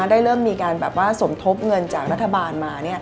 ได้เริ่มมีการแบบว่าสมทบเงินจากรัฐบาลมา